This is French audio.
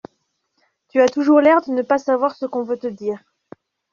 Tu as toujours l'air de ne pas savoir ce qu'on veut te dire.